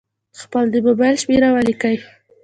خپل د مبایل شمېره ولیکئ.